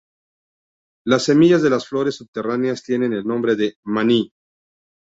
Las semillas de las flores subterráneas tienen el nombre de maní.